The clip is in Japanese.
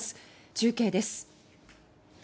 中継です。